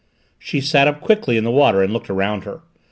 She sat up quickly in the water and looked around her.